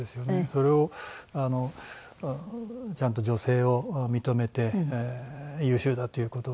それをちゃんと女性を認めて優秀だっていう事をね